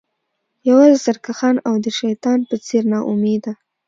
یوازې سرکښان او د شیطان په څیر ناامیده